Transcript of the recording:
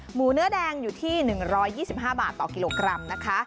หมูเนื้อแดงอยู่ที่๑๒๕บาทต่อกิโลกรัมนะคะ